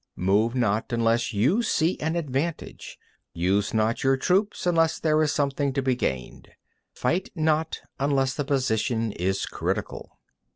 17. Move not unless you see an advantage; use not your troops unless there is something to be gained; fight not unless the position is critical.